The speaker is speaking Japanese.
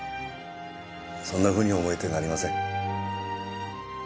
そんなふうに思えてなりません。